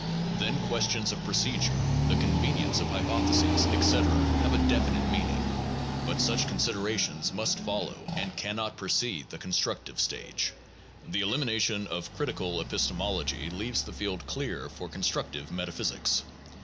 Then questions of procedure, the convenience of hypotheses, etc., have a definite meaning. But such considerations must follow and can not precede the constructive stage. The elimination of "critical" epistemology leaves the field clear for constructive metaphysics.